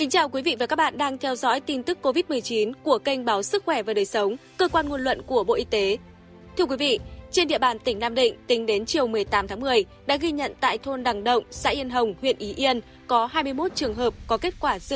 hãy đăng ký kênh để ủng hộ kênh của chúng mình nhé